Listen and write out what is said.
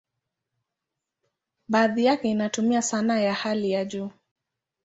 Baadhi yake inatumia sanaa ya hali ya juu.